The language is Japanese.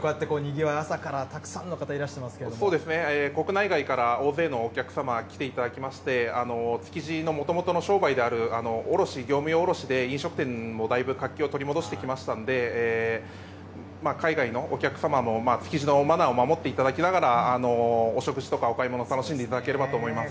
どうですか、こうやってにぎわい、朝からたくさんの方、いらそうですね、国内外から大勢のお客様、来ていただきまして、築地のもともとの商売である卸、業務用卸で飲食店もだいぶ活気を取り戻してきましたので、海外のお客様も築地のマナーを守っていただきながら、お食事とか、お買い物を楽しんでいただければと思います。